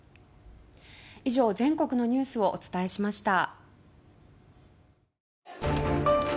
以上全国のニュースをお伝えしました。